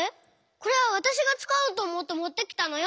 これはわたしがつかおうとおもってもってきたのよ！